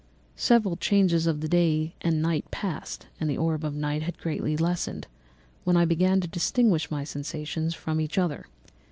"Several changes of day and night passed, and the orb of night had greatly lessened, when I began to distinguish my sensations from each other.